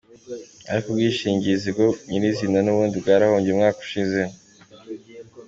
Ariko ubwishingizi bwo nyir’izina n’ubundi bwarahombye mu mwaka ushize.